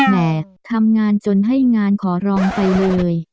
แม่ทำงานจนให้งานขอร้องไปเลย